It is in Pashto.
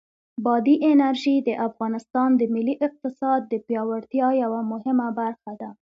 بادي انرژي د افغانستان د ملي اقتصاد د پیاوړتیا یوه مهمه برخه ده.